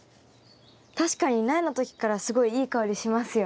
確かに苗の時からすごいいい香りしますよね。